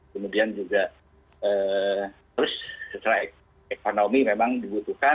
kemudian juga harus setelah ekonomi memang dibutuhkan